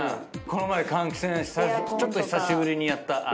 この前換気扇ちょっと久しぶりにやった。